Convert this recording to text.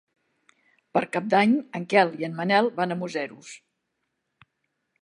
Per Cap d'Any en Quel i en Manel van a Museros.